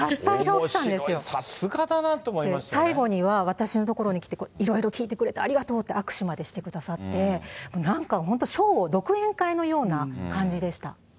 おもしろい、さすがだなと思最後には、私のところに来て、いろいろ聞いてくれてありがとうって、握手までしてくれて、なんか本当、ショーを、独演会のような感じでした。